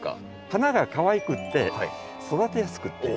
花がかわいくって育てやすくって。